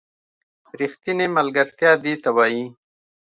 ریښتینې ملگرتیا دې ته وايي